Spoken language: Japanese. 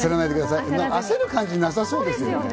焦る感じ、なさそうですね。